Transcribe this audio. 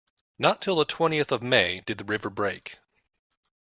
Not till the twentieth of May did the river break.